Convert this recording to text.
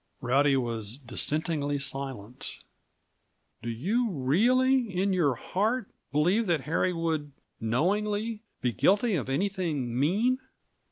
Rowdy was dissentingly silent. "Do you really, in your heart, believe that Harry would knowingly be guilty of anything mean?"